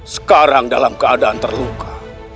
sekarang dalam keadaan terluka